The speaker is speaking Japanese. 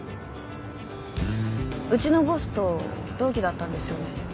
うちのボスと同期だったんですよね。